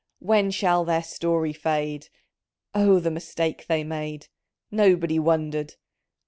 When shall their story fade Oh the mistake they made ! Nobody wondered.